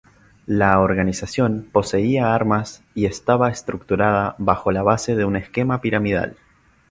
La organización poseía armas y estaba estructurada bajo la base de un esquema piramidal.